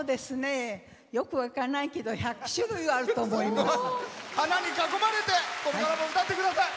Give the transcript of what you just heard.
よく分かんないけど１００種類はあると思います。